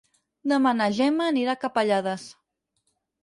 Demà na Gemma anirà a Capellades.